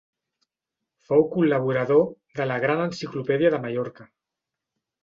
Fou col·laborador de la Gran Enciclopèdia de Mallorca.